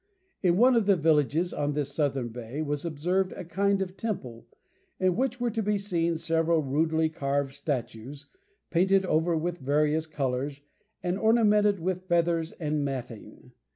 In one of the villages on this southern bay was observed a kind of temple, in which were to be seen several rudely carved statues, painted over with various colours, and ornamented with feathers and matting.